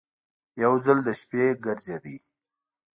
یو ځل د شپې ګرځېده.